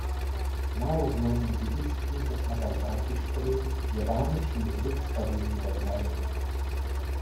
Málo známým dědictvím po svatém Františkovi je vánoční zvyk stavění betlémů.